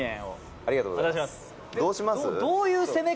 「ありがとうございます」